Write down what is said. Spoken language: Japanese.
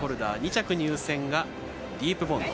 ２着入線がディープボンド。